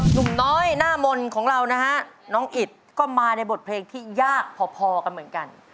หนุ่มน้อยหน้ามนต์ของเรานะฮะน้องอิดก็มาในบทเพลงที่ยากพอกันเหมือนกัน